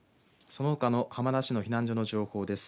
そのほかの浜田市の避難所の情報です。